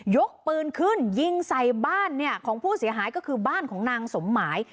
ยกปืนขึ้นยิงใส่บ้านเนี่ยของผู้เสียหายก็คือบ้านของนางสมหมาย